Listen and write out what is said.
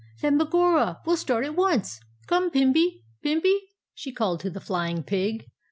"Then, begorrah, we'll start at once. Come, Pimby! Pimby!" she called to the Flying Pig.